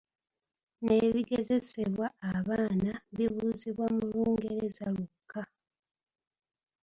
N'ebigezesebwa abaana bibuuzibwa mu Lungereza lwokka.